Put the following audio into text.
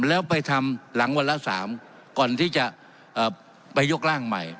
แล้วไปทำหลังวันละ๓ก่อนที่จะไปยกร่างใหม่